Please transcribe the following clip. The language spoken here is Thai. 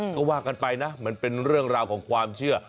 ก็ว่ากันไปนะมันเป็นเรื่องราวของความเชื่อ